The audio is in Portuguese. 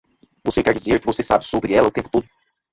Você quer dizer que você sabe sobre ela o tempo todo?